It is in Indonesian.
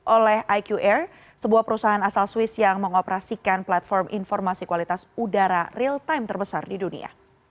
oleh iqr sebuah perusahaan asal swiss yang mengoperasikan platform informasi kualitas udara real time terbesar di dunia